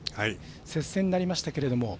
接戦になりましたけど。